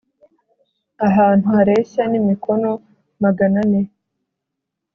ahantu hareshya n imikono magana ane